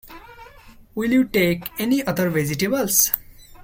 Will you take any other vegetables?